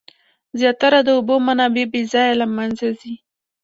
زیاتره د اوبو منابع بې ځایه له منځه ځي.